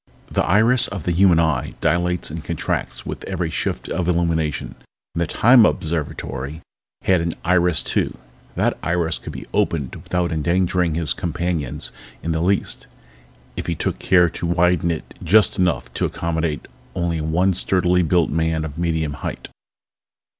The iris of the human eye dilates and contracts with every shift of illumination, and the Time Observatory had an iris too. That iris could be opened without endangering his companions in the least if he took care to widen it just enough to accommodate only one sturdily built man of medium height.